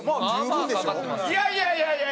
いやいやいやいや！